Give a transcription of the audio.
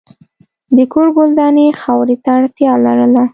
د کور ګلداني خاورې ته اړتیا لرله.